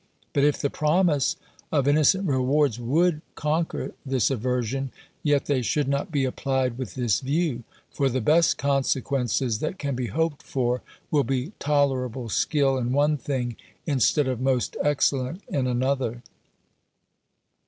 But, if the promise of innocent rewards would conquer this aversion, yet they should not be applied with this view; for the best consequences that can be hoped for, will be tolerable skill in one thing, instead of most excellent in another.